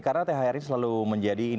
karena thr ini selalu menjadi